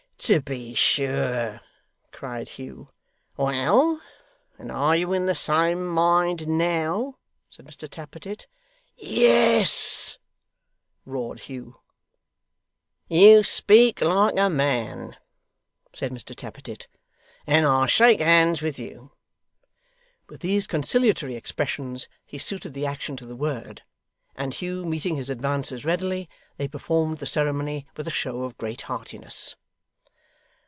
'To be sure!' cried Hugh. 'Well! and are you in the same mind now?' said Mr Tappertit. 'Yes!' roared Hugh. 'You speak like a man,' said Mr Tappertit, 'and I'll shake hands with you.' With these conciliatory expressions he suited the action to the word; and Hugh meeting his advances readily, they performed the ceremony with a show of great heartiness.